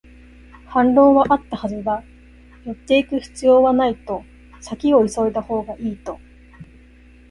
反論はあったはずだ、寄っていく必要はないと、先を急いだほうがいいと